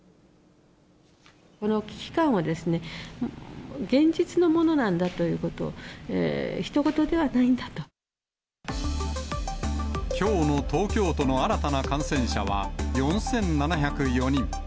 この危機感をですね、現実のものなんだということ、きょうの東京都の新たな感染者は４７０４人。